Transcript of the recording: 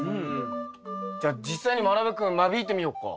じゃあ実際にまなぶ君間引いてみようか。